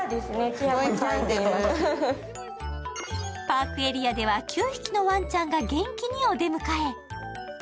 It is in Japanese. パークエリアでは９匹のワンちゃんが元気にお出迎え。